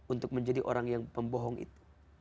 untuk menjadi orang yang pembohong itu